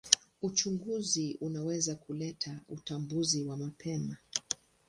Uchunguzi unaweza kuleta utambuzi wa mapema.